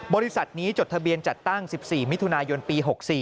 บริษัทนี้จดทะเบียนจัดตั้ง๑๔มิถุนายนปี๖๔